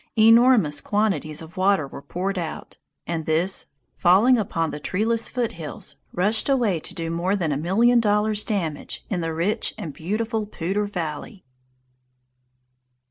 Enormous quantities of water were poured out, and this, falling upon the treeless foothills, rushed away to do more than a million dollars' damage in the rich and beautiful Poudre Valley.